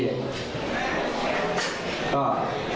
เหมือนแบบนี้